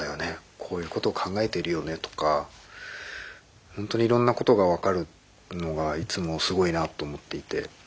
こういうことを考えているよねとかほんとにいろんなことが分かるのがいつもすごいなと思っていて。